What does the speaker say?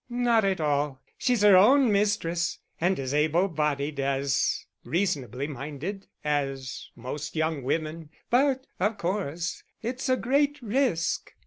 "Not at all; she's her own mistress, and as able bodied and as reasonably minded as most young women. But, of course, it's a great risk."